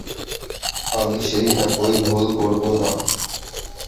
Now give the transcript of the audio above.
আমি সেই একই ভুলটা করবো না।